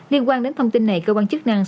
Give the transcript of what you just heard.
liên quan đến thông tin này cơ quan chức năng